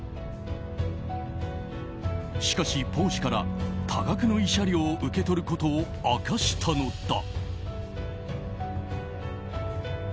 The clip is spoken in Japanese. しかし、ポー氏から多額の慰謝料を受け取ることを明かしたのだ。